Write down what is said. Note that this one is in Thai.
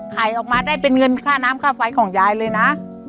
ขายออกมาได้เป็นเงินค่าน้ำค่าไฟของยายเลยนะ